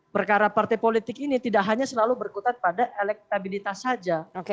perkara partai politik ini tidak hanya selalu berkutat pada elektabilitas saja